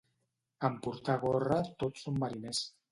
En portar gorra tots són mariners.